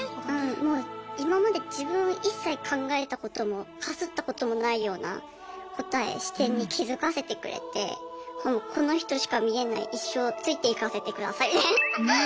もう今まで自分一切考えたこともかすったこともないような答え視点に気付かせてくれてもうこの人しか見えない一生ついていかせてくださいみたいな。